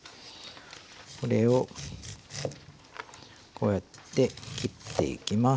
これをこうやって切っていきます。